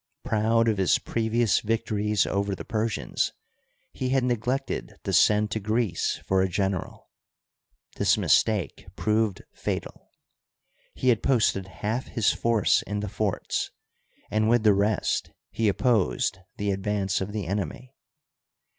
Proud of his previous victories over the Persians, he had neglected to send to Greece for a general. This mistake proved fatal. He had posted half his force in the forts, and with the rest he opposed the advance of the enemy.